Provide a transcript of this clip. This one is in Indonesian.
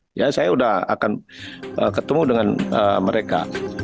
saya sudah akan ketemu dengan mereka